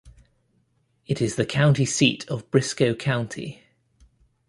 It is the county seat of Briscoe County.